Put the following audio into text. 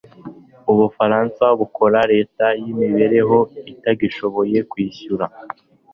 Ubufaransa bukora leta yimibereho itagishoboye kwishyura. .